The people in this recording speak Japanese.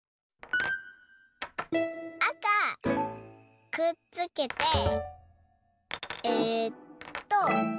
あかくっつけてえっと